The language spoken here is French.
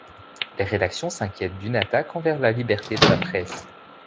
Les rédactions s'inquiètent d'une attaque envers la liberté de la presse.